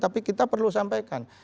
tapi kita perlu sampaikan